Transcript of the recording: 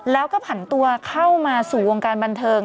แล้วก็ผันตัวเข้ามาสู่วงการบันเทิง